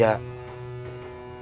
kalau aku akan kejam